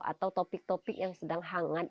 atau topik topik yang sedang hangat